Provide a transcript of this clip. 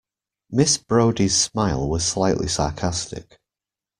Miss Brodie's smile was slightly sarcastic.